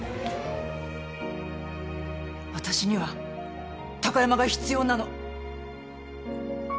私には貴山が必要なの。